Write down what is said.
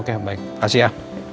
terima kasih ya